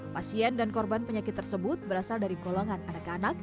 pasien dan korban penyakit tersebut berasal dari golongan anak anak